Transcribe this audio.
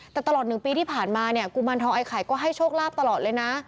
แต่ตลอด๑ปีที่ผ่านมาเนี่ยกุมารทองไอไข่ก็ให้โชคลาภตลอดเลยนะ